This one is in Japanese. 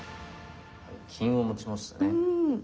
金を持ちましたね。